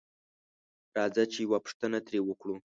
راځه چې پوښتنه تري وکړو